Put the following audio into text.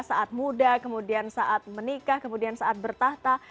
saat muda kemudian saat menikah kemudian saat bertahta